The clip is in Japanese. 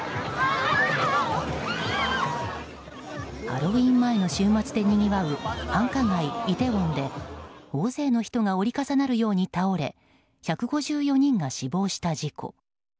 ハロウィーン前の週末でにぎわう繁華街、イテウォンで大勢の人が折り重なるように倒れ１５４人が死亡した事故。